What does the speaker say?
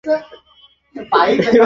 ওর সঙ্গে যা ঘটেছে তা খুব খারাপ।